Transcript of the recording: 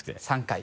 ３回。